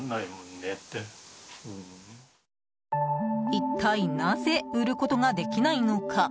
一体なぜ売ることができないのか。